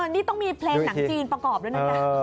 นี่ต้องมีเพลงหนังจีนประกอบด้วยนะจ๊ะ